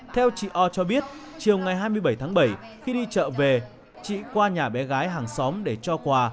theo chị o cho biết chiều ngày hai mươi bảy tháng bảy khi đi chợ về chị qua nhà bé gái hàng xóm để cho quà